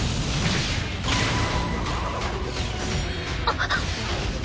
あっ！